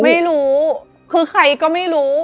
ไม่รู้คือใครก็ไม่รู้